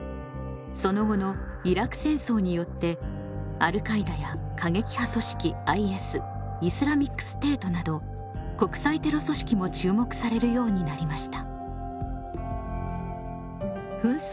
その後のイラク戦争によってアルカイダや過激派組織ＩＳなど国際テロ組織も注目されるようになりました。